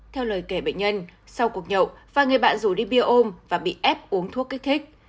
theo lời kể bệnh nhân sau cuộc nhậu và người bạn rủ đi bia ôm và bị ép uống thuốc kích thích